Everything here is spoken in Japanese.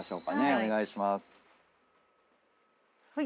お願いします。